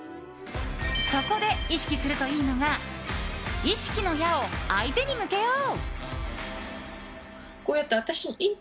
そこで意識するといいのが意識の矢を相手に向けよう。